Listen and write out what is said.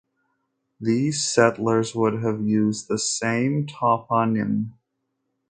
These settlers would have used the same toponym.